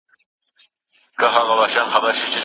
د نشه یي توکو کارول انسان له ژونده باسي.